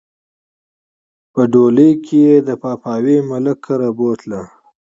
په ډولۍ کښې د پاپاوي ملک کره بوتله